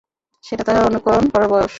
সেটা তাহার অনুকরণ করার বয়স।